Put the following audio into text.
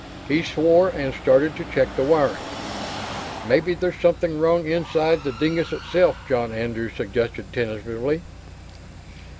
He swore and started to check the wiring. "Maybe there's something wrong inside the dingus itself," John Andrew suggested tentatively.